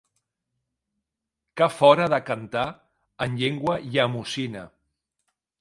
Que fora de cantar en llengua llemosina